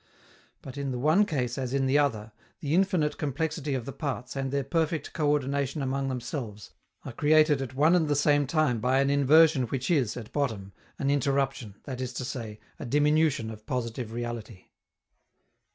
But, in the one case as in the other, the infinite complexity of the parts and their perfect coördination among themselves are created at one and the same time by an inversion which is, at bottom, an interruption, that is to say, a diminution of positive reality.